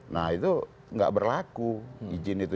nah itu nggak berlaku izin itu